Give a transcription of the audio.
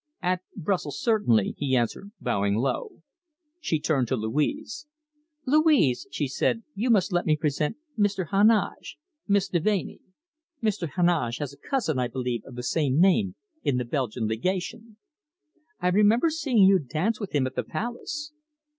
"At Brussels, certainly," he answered, bowing low. She turned to Louise. "Louise," she said, "you must let me present Mr. Heneage Miss Deveney. Mr. Heneage has a cousin, I believe, of the same name, in the Belgian Legation. I remember seeing you dance with him at the Palace."